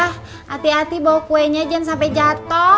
hati hati bawa kuenya jangan sampai jatuh